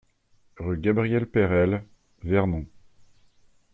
Rue Gabriel Perelle, Vernon